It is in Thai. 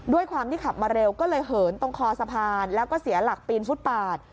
ด้วยความที่ขับมาเร็วก็เลยเหินตรงคอสะพานแล้วก็เสียหลักปีนฟุตปาด